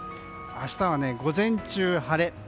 明日は午前中晴れ。